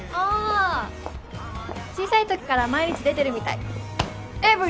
あ小さいときから毎日出てるみたい。